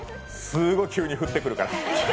すごい急に振ってくるから。